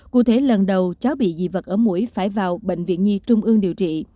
cụ thể lần đầu cháu bị dị vật ở mũi phải vào bệnh viện nhi trung ương điều trị